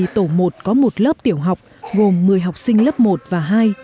tổ một có một lớp tiểu học gồm một mươi học sinh lớp một và hai